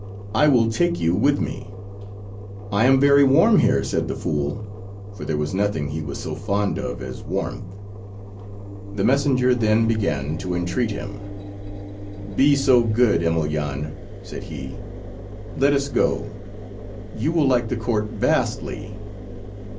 I will take you with me." "I am very warm here," said the fool, for there was nothing he was so fond of as warmth. The messenger then began to entreat him. "Be so good, Emelyan," said he; "let us go. You will like the court vastly."